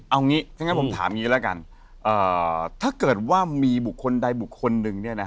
เอาอย่างนี้แหละถ้าเกิดว่ามีบุคคลใดบุคคลนึง